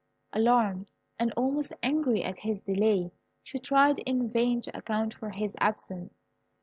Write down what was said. Alarmed, and almost angry at his delay, she tried in vain to account for his absence.